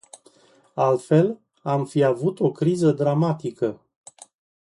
Altfel, am fi avut o criză dramatică.